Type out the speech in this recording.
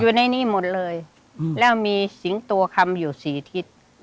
อยู่ในนี้หมดเลยแล้วมีสิงตัวคำอยู่สี่ทิศ